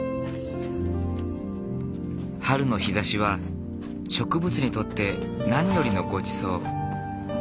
春の日ざしは植物にとって何よりのごちそう。